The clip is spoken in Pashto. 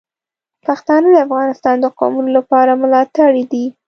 پښتانه د افغانستان د قومونو لپاره ملاتړي دي.